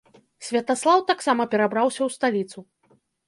Святаслаў таксама перабраўся ў сталіцу.